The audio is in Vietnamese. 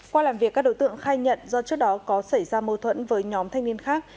qua làm việc các đối tượng khai nhận do trước đó có xảy ra mâu thuẫn với nhóm thanh niên khác